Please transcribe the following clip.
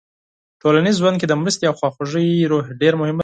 ټولنیز ژوند کې د مرستې او خواخوږۍ روحیه ډېره مهمه ده.